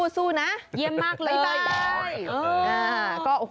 สู้นะเยี่ยมมากเลยได้